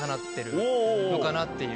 のかなっていう。